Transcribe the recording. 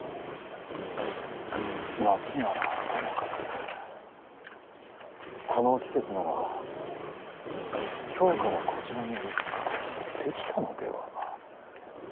夏ならともかくこの季節なら京からこちらに移すこともできたのでは。